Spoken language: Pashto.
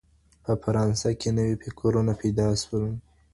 په فرانسه کي نوي فکرونه پیدا سول.